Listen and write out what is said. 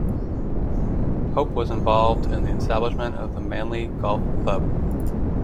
Pope was also involved in the establishment of the Manly Golf Club.